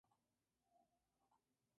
Al atravesar el Bv.